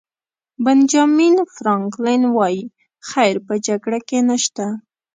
بنجامین فرانکلن وایي خیر په جګړه کې نشته.